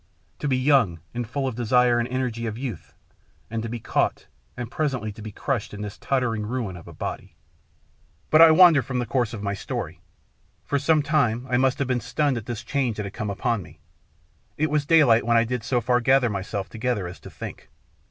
To be young and full of the desire and energy of youth, and to be caught, and presently to be crushed in this tottering ruin of a body. ... But I wander from the course of my story. For some time I must have been stunned at this change that had come upon me. It was daylight when I did so far gather myself together as to think.